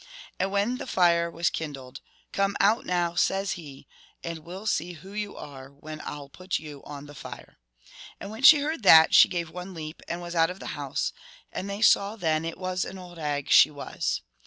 And when the fire was kindled, "Come out now," says he, "and we '11 see who you are, when I '11 put you on the fire." And when she heard that, she gave one leap, and was out of the house, and they saw, then, it was an old hag she was.